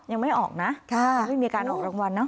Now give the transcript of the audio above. ยังไม่ออกนะยังไม่มีการออกรางวัลเนอ